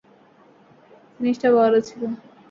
জিনিসটা বড় ছিল।